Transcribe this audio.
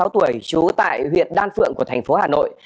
sáu mươi sáu tuổi chú tại huyện đan phượng của thành phố hà nội